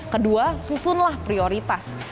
kedua susunlah prioritas